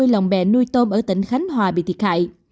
một trăm hai mươi lòng bè nuôi tôm ở tỉnh khánh hòa bị thiệt hại